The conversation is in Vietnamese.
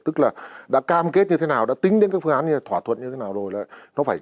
tức là đã cam kết như thế nào đã tính đến các phương án như thế nào thỏa thuận như thế nào rồi